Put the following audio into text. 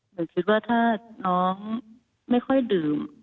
หนูคิดว่าถ้าน้องไม่ค่อยดื่ม